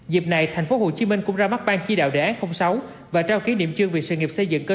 dịp này tp hcm cũng ra mắt ban tri đạo đề án sáu và trao ký niệm chương về sự nghiệp xây dựng cơ